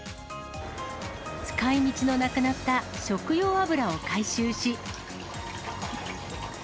使いみちのなくなった食用油を回収し。